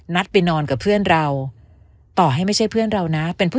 ไปนอนกับเพื่อนเราต่อให้ไม่ใช่เพื่อนเรานะเป็นผู้